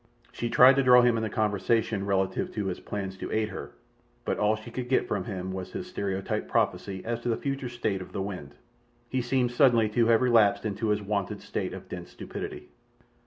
She tried to draw him into conversation relative to his plans to aid her, but all that she could get from him was his stereotyped prophecy as to the future state of the wind. He seemed suddenly to have relapsed into his wonted state of dense stupidity.